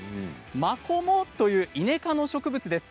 マコモというイネ科の植物です。